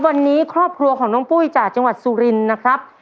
วันนี้ครอบครัวของน้องปุ้ยจากจังหวัดสุรินนะครับ